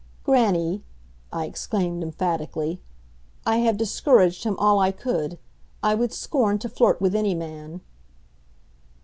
"Grannie," I exclaimed emphatically, "I have discouraged him all I could. I would scorn to flirt with any man."